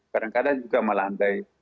kadang kadang juga melandai